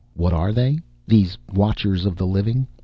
What are they these Watchers of the Living?